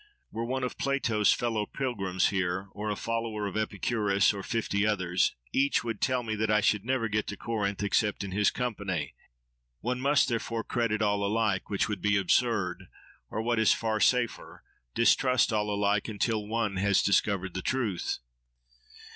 Were one of Plato's fellow pilgrims here, or a follower of Epicurus—or fifty others—each would tell me that I should never get to Corinth except in his company. One must therefore credit all alike, which would be absurd; or, what is far safer, distrust all alike, until one has discovered the truth.